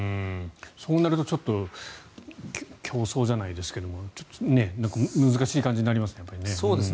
そうなるとちょっと競争じゃないですけども難しい感じになりますね。